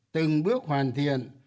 từng bước hoàn thiện